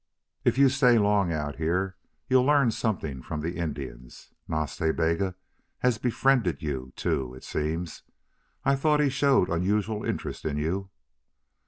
If you stay long out here you'll learn something from the Indians. Nas Ta Bega has befriended you, too, it seems. I thought he showed unusual interest in you."